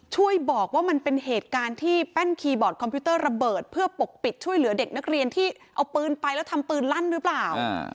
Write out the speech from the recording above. ช่วยบอกว่ามันเป็นเหตุการณ์ที่แป้นคีย์บอร์ดคอมพิวเตอร์ระเบิดเพื่อปกปิดช่วยเหลือเด็กนักเรียนที่เอาปืนไปแล้วทำปืนลั่นหรือเปล่า